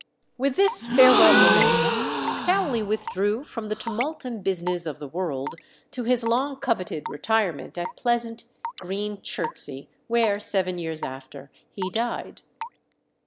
With this farewell lament Cowley withdrew "from the tumult and business of the world," to his long coveted retirement at pleasant, green Chertsey, where, seven years after, he died.